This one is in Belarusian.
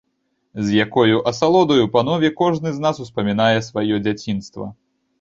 З якою асалодаю, панове, кожны з нас успамінае сваё дзяцінства!